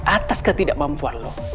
atas ketidakmampuan lo